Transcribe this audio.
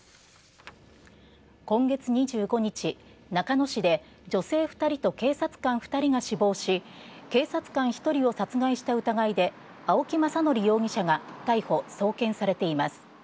今月２５日、中野市で、女性２人と警察官２人が死亡し、警察官１人を殺害した疑いで、青木政憲容疑者が逮捕・送検されています。